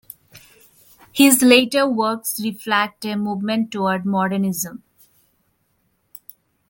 His later works reflect a movement towards modernism.